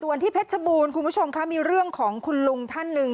ส่วนที่เพชรบูรณ์คุณผู้ชมค่ะมีเรื่องของคุณลุงท่านหนึ่ง